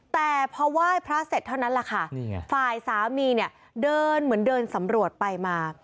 แต่พอไหว้พระเสร็จเท่านั้นแหละค่ะนี่ไงฝ่ายสามีเนี่ยเดินเหมือนเดินสำรวจไปมา